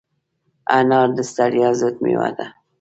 انار د ستړیا ضد مېوه ده.